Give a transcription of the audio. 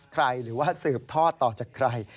หรือว่าสืบทอดต่อจากใคร